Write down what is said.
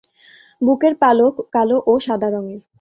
বুকের পালক কালো ও সাদা রঙের।